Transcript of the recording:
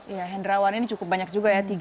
ya hendrawan ini cukup banyak juga ya